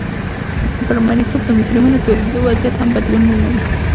پر مریتوب د مجرمینو تورنېدو وضعیت هم بدلون وموند.